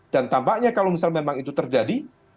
dan tampaknya kalau misalnya memang itu terjadi